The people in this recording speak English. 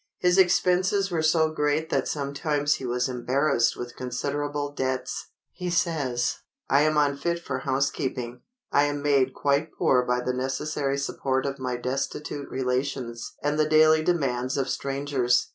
His expenses were so great that sometimes he was embarrassed with considerable debts. He says, "I am unfit for housekeeping; I am made quite poor by the necessary support of my destitute relations and the daily demands of strangers."